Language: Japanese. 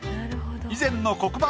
以前の黒板